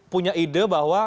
punya ide bahwa